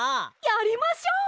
やりましょう！